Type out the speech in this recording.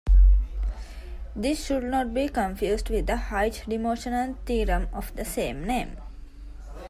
This should not be confused with the high dimensional theorem of the same name.